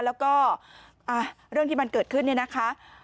แล้วก็เรื่องที่มันเกิดขึ้นเนี่ยนะคะ